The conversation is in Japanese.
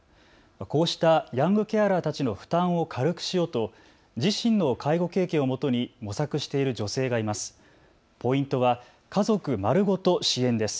こうしたヤングケアラーたちの負担を軽くしようと自身の介護経験をもとに模索している女性がいます。